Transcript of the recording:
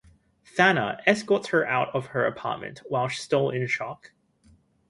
Thana escorts her out of her apartment while still in shock.